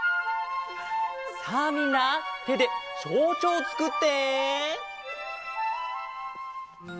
さあみんなてでちょうちょうをつくって！